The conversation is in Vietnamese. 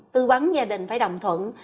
tư bắn gia đình phải đồng thuận